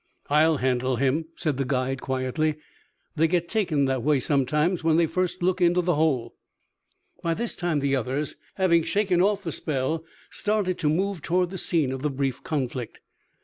"I'll handle him," said the guide quietly. "They get taken that way sometimes when they first look into the hole." By this time the others, having shaken off the spell, started to move toward the scene of the brief conflict.